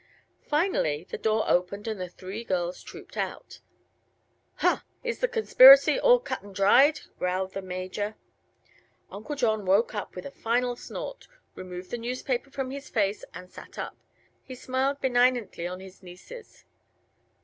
Finally the door opened and the three girls trooped out. "Huh! Is the conspiracy all cut an' dried?" growled the Major. Uncle John woke up with a final snort, removed the newspaper from his face and sat up. He smiled benignantly upon his nieces.